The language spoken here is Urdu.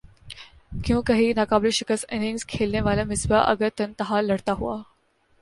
کیونکہکی ناقابل شکست اننگز کھیلنے والا مصباح اگر تن تنہا لڑتا ہوا